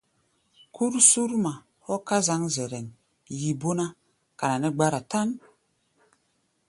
Kúr Surma hɔ́ ká zǎŋ Zɛrɛŋ, yi bó ná, kana nɛ́ gbára tán.